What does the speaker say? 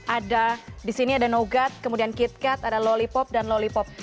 ada di sini ada nougat kemudian kitkat ada lollipop dan lollipop